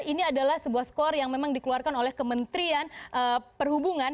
ini adalah sebuah skor yang memang dikeluarkan oleh kementerian perhubungan